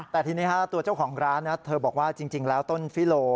แต่ทีนี้ตัวเจ้าของร้านนะเธอบอกว่าจริงแล้วต้นฟิโล